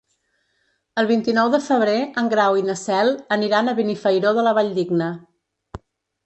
El vint-i-nou de febrer en Grau i na Cel aniran a Benifairó de la Valldigna.